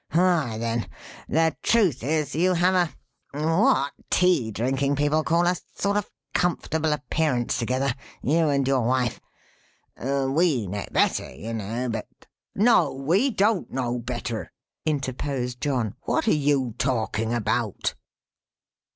"Why, then, the truth is you have a what tea drinking people call a sort of a comfortable appearance together: you and your wife. We know better, you know, but " "No, we don't know better," interposed John. "What are you talking about?"